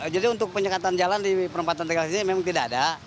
jadi untuk penyekatan jalan di perempatan tegal ini memang tidak ada